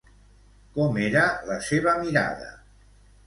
Com era la seva mirada?